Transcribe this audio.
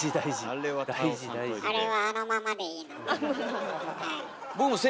あれはあのままでいいのね。